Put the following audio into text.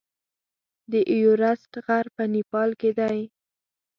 د ایورسټ غر په نیپال کې دی.